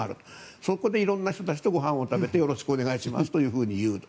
そこで色んな人たちとご飯を食べてよろしくお願いしますと言うと。